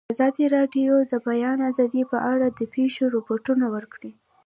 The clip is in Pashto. ازادي راډیو د د بیان آزادي په اړه د پېښو رپوټونه ورکړي.